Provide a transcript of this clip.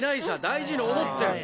大事に思ってる」